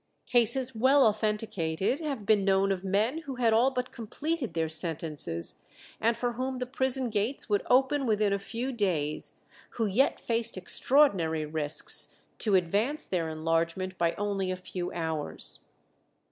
Cases well authenticated have been known of men who had all but completed their sentences, and for whom the prison gates would open within a few days, who yet faced extraordinary risks to advance their enlargement by only a few hours.